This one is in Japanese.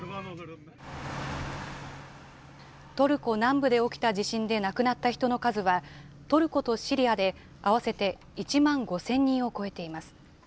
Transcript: トルコ南部で起きた地震で亡くなった人の数は、トルコとシリアで合わせて１万５０００人を超えています。